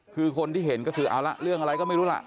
คือคนที่เห็นก็คือเอาละเรื่องอะไรก็ไม่รู้ล่ะ